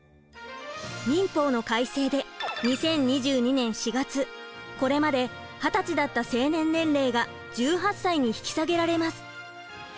民法の改正で２０２２年４月これまで二十歳だった成年年齢が１８歳に引き下げられます。